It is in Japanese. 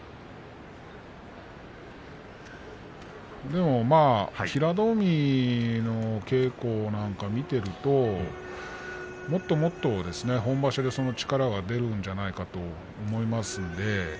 でもまあ、平戸海の稽古なんか見ているともっともっと本場所で力が出るんじゃないかと思いますね。